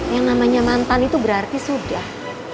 yang namanya mantan itu berarti sudah